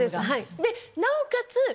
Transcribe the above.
なおかつ